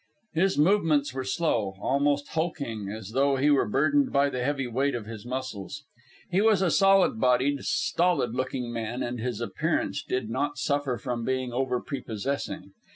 His movements were slow, almost hulking, as though he were burdened by the heavy weight of his muscles. He was a solid bodied, stolid looking man, and his appearance did not suffer from being overprepossessing.